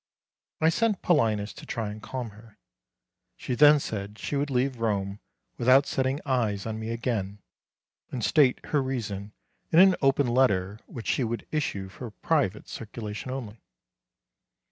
I sent Paulinus to try and calm her. She then said she would leave Rome without setting eyes on me again, and state her reasons in an open letter which she would issue for private circulation only.